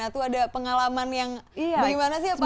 tuh ada pengalaman yang bagaimana sih apa